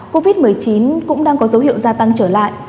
covid một mươi chín cũng đang có dấu hiệu gia tăng trở lại